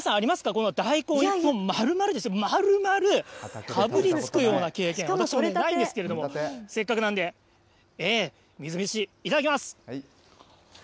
この大根一本丸々ですよ、丸々、かぶりつくような経験、私ないですけど、せっかくなんでみずみずしい、いただきます。